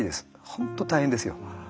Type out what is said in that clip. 本当大変ですよ。